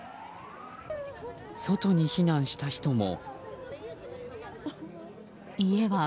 外に避難した人も。